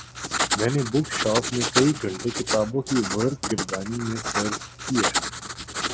میں نے book shop میں کئی گھنٹے کتابوں کی ورق گردانی میں صرف کئے